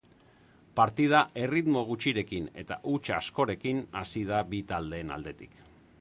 Partida erritmo gutxirekin eta huts askorekin hasi da bi taldeen aldetik.